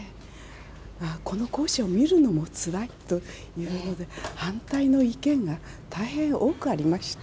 この校舎を見るのもつらいというので、反対の意見が大変多くありました。